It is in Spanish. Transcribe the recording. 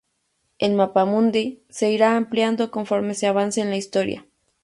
El mapamundi se irá ampliando conforme se avance en la historia.